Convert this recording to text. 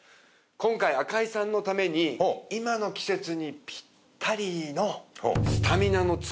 今回赤井さんのために今の季節にピッタリの。